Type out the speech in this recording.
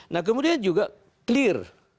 nah kemudian juga clear